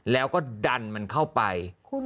แล้วก็ดันมันเข้าไป